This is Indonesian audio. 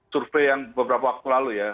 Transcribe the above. survei yang beberapa waktu lalu ya